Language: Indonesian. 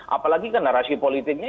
apalagi karena rasio politiknya